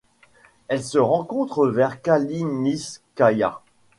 Elle se rencontre vers Kalininskaya.